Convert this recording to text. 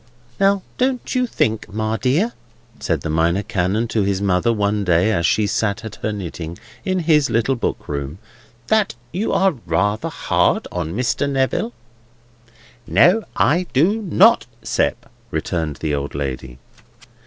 "Now, don't you think, Ma dear," said the Minor Canon to his mother one day as she sat at her knitting in his little book room, "that you are rather hard on Mr. Neville?" "No, I do not, Sept," returned the old lady.